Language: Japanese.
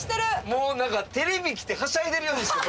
もうテレビ来てはしゃいでるようにしか。